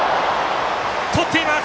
とっています！